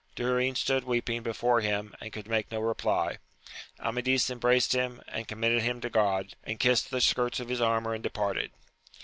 Durin stood weeping before him, and could make no reply. Amadis embraced him, and he commended him to God, and kissed the skirts of his armour and departed.